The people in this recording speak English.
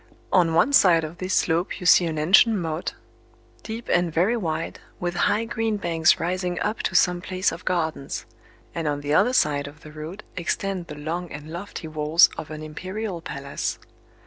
On one side of this slope you see an ancient moat, deep and very wide, with high green banks rising up to some place of gardens;—and on the other side of the road extend the long and lofty walls of an imperial palace.